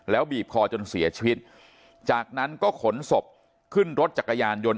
แล้วบีบคอจนเสียชีวิตจากนั้นก็ขนศพขึ้นรถจักรยานยนต์